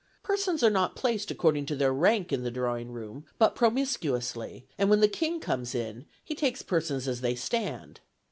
Persons are not placed according to their rank in the drawing room, but promiscuously; and when the King comes in, he takes persons as they stand.